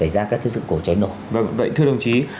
vâng vậy thưa đồng chí